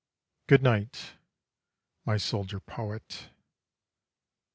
... Good night, my soldier poet.